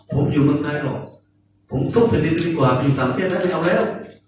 ผมอยู่เมืองไทยหรอกผมซุกทะเลียนดีกว่าอยู่สามเท่านั้นไม่เอาแล้ว